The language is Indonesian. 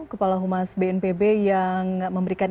kepala humas bnpb yang memberikan